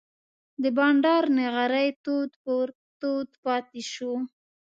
د بانډار نغری تود پر تود پاتې شو.